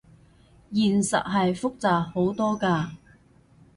現實係複雜好多㗎